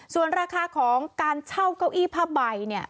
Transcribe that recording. ส่วนราคาของการเช่าเก้าอี้ผ้าใบเนี่ย